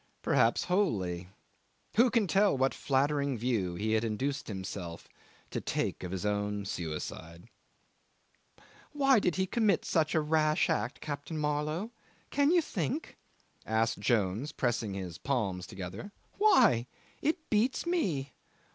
Perhaps wholly. Who can tell what flattering view he had induced himself to take of his own suicide? '"Why did he commit the rash act, Captain Marlow can you think?" asked Jones, pressing his palms together. "Why? It beats me!